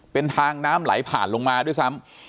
เป็นทางน้ำไหลผ่านลงมาด้วยซ้ำ